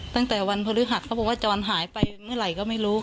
ตั้งแต่วันพฤหัสเขาบอกว่าจรหายไปเมื่อไหร่ก็ไม่รู้